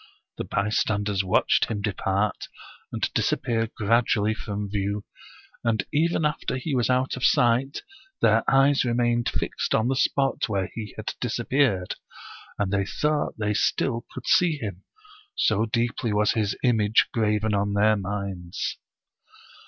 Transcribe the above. The bystanders watched him depart, and disappear gradu ally from view, and even after he was out of sight their eyes remained fixed on the spot where he had disappeared, and they thought they still could see him, so deeply was his image graven on their minds.